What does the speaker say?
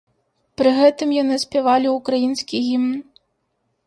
Пры гэтым яны спявалі ўкраінскі гімн.